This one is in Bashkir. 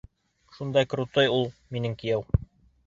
Шундай крутой ул минең кейәү.